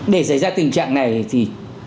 để xảy ra tình trạng này thì